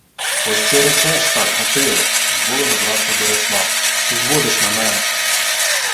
— Пощо речеш так, Гатиле? — з болем озвався Борислав. — Що зводиш на мене?..